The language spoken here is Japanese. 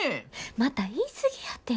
また言い過ぎやて。